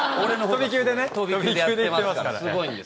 飛び級でやってますからね。